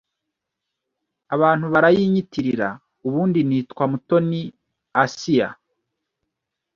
abantu barayinyitirira. Ubundi nitwa Mutoni Assia.